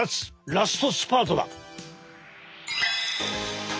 ラストスパートだ！